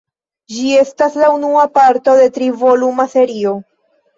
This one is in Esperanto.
Ĝi estas la unua parto de tri-voluma serio.